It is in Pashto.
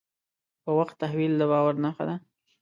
په وخت تحویل د باور نښه ده.